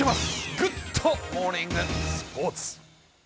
ぐっ！とモーニングスポーツ。